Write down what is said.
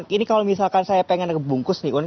ini kalau misalkan saya pengen ngebungkus nih un